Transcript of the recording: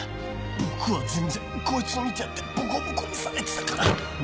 僕は全然こいつを見てやってボコボコにされてたから。